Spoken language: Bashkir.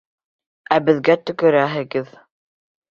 Ә беҙгә төкөрәһегеҙ!